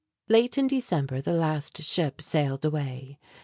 Late in December the last ship sailed away.